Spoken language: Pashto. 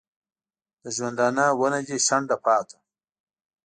د ژوندانه ونه دي شنډه پاته